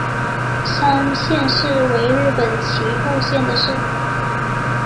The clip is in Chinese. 山县市为日本岐阜县的市。